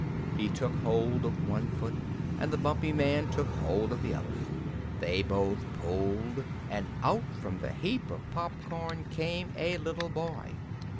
He took hold of one foot and the Bumpy Man took hold of the other. Then they both pulled and out from the heap of popcorn came a little boy.